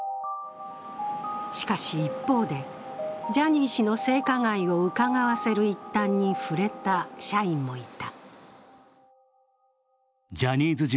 しかし、一方で、ジャニー氏の性加害をうかがわせる一端に触れた社員もいた。